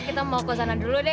kita mau ke sana dulu deh